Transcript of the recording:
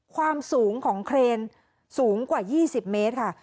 ความสูงของเครนสูงกว่า๒๐เมตรค่ะ